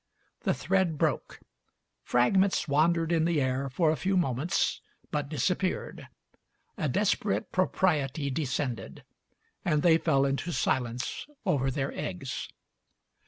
The thread broke; fragments wandered in the air for a few moments, but disappeared; a desperate propriety descended, and they fell into silence over their eggs.